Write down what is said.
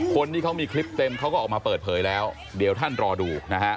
คนที่เขามีคลิปเต็มเขาก็ออกมาเปิดเผยแล้วเดี๋ยวท่านรอดูนะฮะ